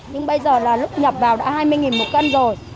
nhưng bây giờ là lúc nhập vào đã hai mươi một cân rồi